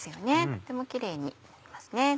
とてもキレイになりますね。